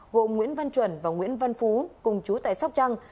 gồm nguyễn văn chuẩn và nguyễn văn phú cùng chú tại sóc trăng